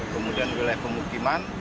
kemudian di level pemukiman